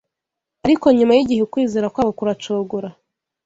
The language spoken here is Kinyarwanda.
Ariko nyuma y’igihe ukwizera kwabo kuracogora